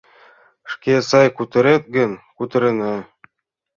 Шке сай кутырет гын, кутырена...